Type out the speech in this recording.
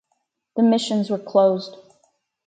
The missions were closed.